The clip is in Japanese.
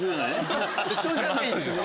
人じゃないんすね。